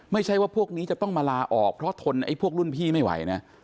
ไม่ใช่ว่าพวกนี้จะต้องมาลาออกเพราะทนไอ้พวกรุ่นพี่ไม่ไหวนะ